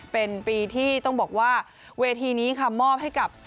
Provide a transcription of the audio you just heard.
เป็นปีที่ต้องบอกว่าเวทีนี้ค่ะมอบให้กับ